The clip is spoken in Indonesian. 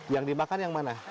yang dimakan yang mana